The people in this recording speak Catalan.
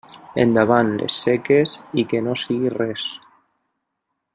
Endavant les seques i que no sigui res.